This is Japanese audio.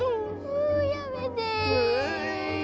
もうやめて！